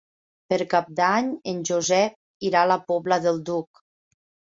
Per Cap d'Any en Josep irà a la Pobla del Duc.